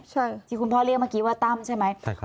ใช่ที่คุณพ่อเรียกเมื่อกี้ว่าตั้มใช่ไหม